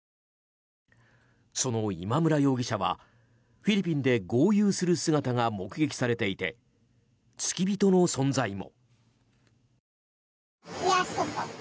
その今村容疑者は、フィリピンで豪遊する姿が目撃されていて付き人の存在も。